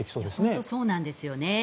本当にそうなんですよね。